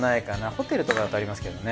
ホテルとかだとありますけどね。